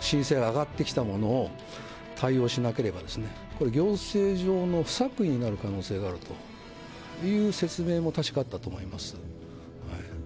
申請が上がってきたものを、対応しなければ、これ、行政上の不作為になる可能性があるという説明も確かあったと思います。